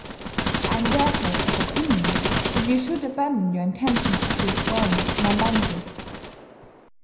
I am therefore of opinion that you should abandon your intention of destroying Nambanji.'